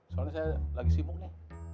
soalnya saya lagi sibuk nih